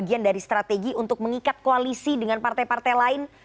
bagian dari strategi untuk mengikat koalisi dengan partai partai lain